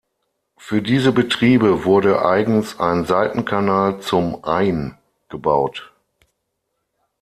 Für diese Betriebe wurde eigens ein Seitenkanal zum Ain gebaut.